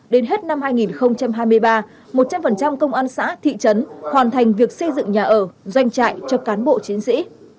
đến hết năm hai nghìn hai mươi ba một trăm linh công an xã thị trấn hoàn thành việc xây dựng nhà ở doanh trại cho cán bộ chiến sĩ